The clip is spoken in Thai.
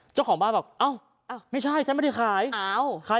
จ้องของบ้านอ้อไม่ใช่ฉันไม่ได้ขายอ้าว